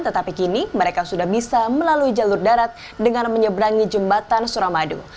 tetapi kini mereka sudah bisa melalui jalur darat dengan menyeberangi jembatan suramadu